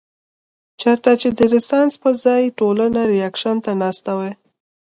چرته چې د رسپانس پۀ ځائے ټولنه رېکشن ته ناسته وي